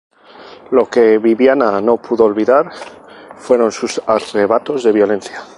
Lo que Viviana no pudo olvidar fueron sus arrebatos de violencia.